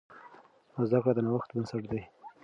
زده کړه د نوښت بنسټ دی.